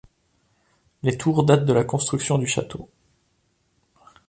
Les tours datent de la construction du château.